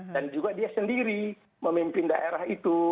juga dia sendiri memimpin daerah itu